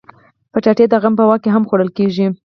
کچالو د غم په وخت هم خوړل کېږي